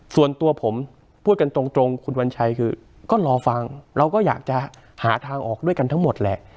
ส่วนตัวผมพูดกันตรงคุณวัญชัยคือก็รอฟังเราก็อยากจะหาทางออกด้วยกันทั้งหมดแหละ